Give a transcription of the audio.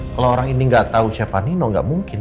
kalau orang ini gak tau siapa nino gak mungkin